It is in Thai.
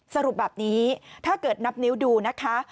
สรุปแบบนี้ถ้าเกิดนับนิ้วดูนะคะ